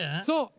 そう。